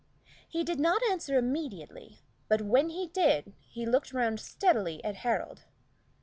He did not answer immediately, but, when he did, he looked round steadily at Harold.